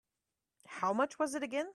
How much was it again?